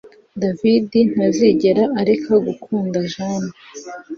David ntazigera areka gukunda Jane